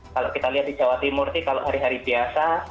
kalau kita lihat di jawa timur kalau hari hari biasa